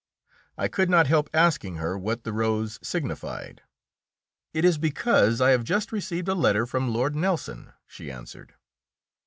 I could not help asking her what the rose signified. "It is because I have just received a letter from Lord Nelson," she answered.